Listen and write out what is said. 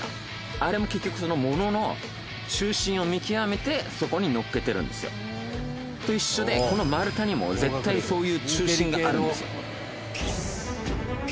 あれも結局そのものの中心を見極めてそこに乗っけてるんですよと一緒でこの丸太にも絶対そういう中心があるんですよ